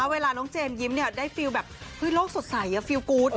เวลาน้องเจมส์ยิ้มเนี่ยได้ฟีลอว์แปลกลกสดใสนะฮะฟีล์กูดนะ